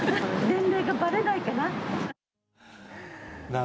年齢がばれないかな。